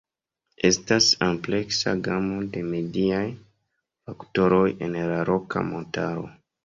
Estas ampleksa gamo de mediaj faktoroj en la Roka Montaro.